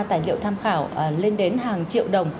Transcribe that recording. tài liệu tham khảo lên đến hàng triệu đồng